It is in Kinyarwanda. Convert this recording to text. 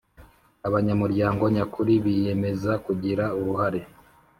abanyamuryango nyakuri Biyemeza kugira uruhare